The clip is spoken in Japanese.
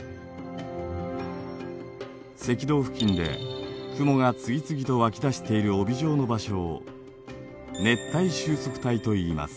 赤道付近で雲が次々と湧き出している帯状の場所を「熱帯収束帯」といいます。